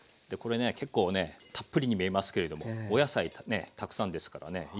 でこれね結構ねたっぷりに見えますけれどもお野菜ねたくさんですからね